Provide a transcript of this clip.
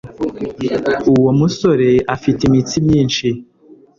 uwo musore afite imitsi myinshi